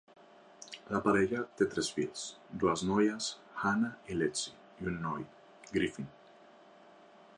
La parella té tres fills: dues noies, Hannah i Lexie, i un noi, Griffin.